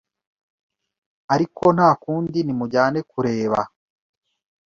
Ariko ntakundi nimujyane kureba